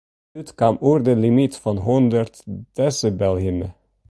It lûd kaam oer de limyt fan hûndert desibel hinne.